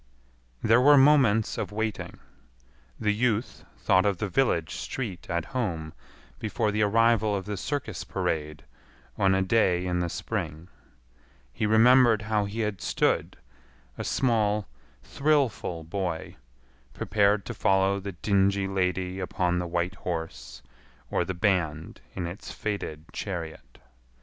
There were moments of waiting. The youth thought of the village street at home before the arrival of the circus parade on a day in the spring. He remembered how he had stood, a small, thrillful boy, prepared to follow the dingy lady upon the white horse, or the band in its faded chariot.